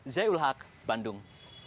zai ul haq bandung